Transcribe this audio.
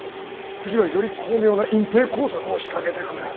次はより巧妙な隠蔽工作を仕掛けてくる。